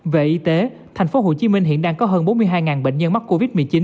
về y tế thành phố hồ chí minh hiện đang có hơn bốn mươi hai bệnh nhân mắc covid một mươi chín